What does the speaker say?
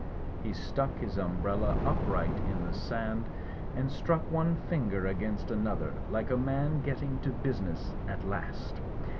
He stuck his umbrella upright in the sand and struck one finger against another, like a man getting to busi ness at last.